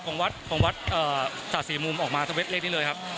ของวัดสาธารณีสี่มุมออกมาทั้งเว็บเลขนี้เลยครับ